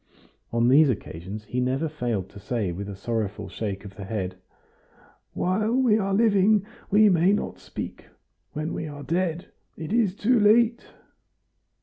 On these occasions he never failed to say with a sorrowful shake of the head, "While we are living we may not speak, when we are dead it is too late!"